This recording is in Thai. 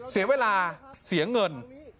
เสียเวลาเสียเงิน